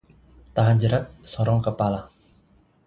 Tahan jerat sorong kepala